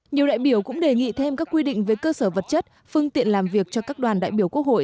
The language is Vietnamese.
nhiều đại biểu cũng đề nghị thêm các quy định về cơ sở vật chất phương tiện làm việc cho các đoàn đại biểu quốc hội